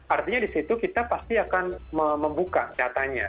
artinya disitu kita pasti akan membuka datanya